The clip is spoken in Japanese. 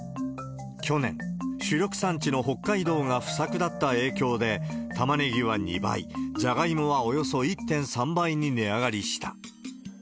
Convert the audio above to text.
去年、主力産地の北海道が不足だった影響で、タマネギは２倍、ジャガイモはおよそ１．３倍に値上がりした。